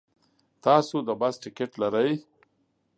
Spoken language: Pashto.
تاسو د بس ټکټ لرئ؟